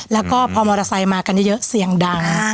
แล้วก็พอมอเตอร์ไซค์มากันเยอะเสียงดัง